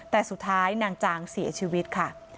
แต่สุดท้ายนางจางเสียชีวิตค่ะ